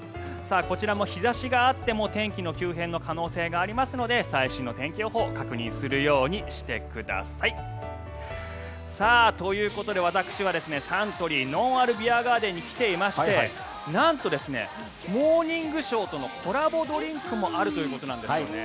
こちらも日差しがあっても天気の急変の可能性がありますので最新の天気予報確認するようにしてください。ということで、私はサントリーのんあるビアガーデンに来ていましてなんと「モーニングショー」とのコラボドリンクもあるということなんですよね。